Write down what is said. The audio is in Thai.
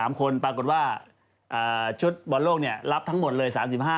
๓คนปรากฏว่าชุดบอลโลกเนี่ยรับทั้งหมดเลย๓๕